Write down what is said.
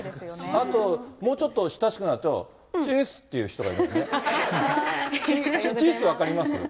あと、もうちょっと親しくなると、ちぃーっすって言う人がいるからね。